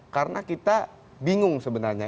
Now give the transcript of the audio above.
karena kita bingung sebenarnya